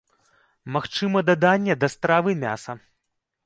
Магчыма даданне да стравы мяса.